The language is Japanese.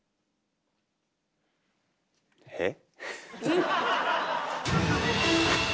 えっ⁉